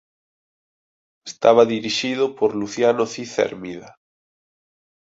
Estaba dirixido por Luciano Cid Hermida.